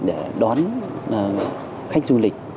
để đón khách du lịch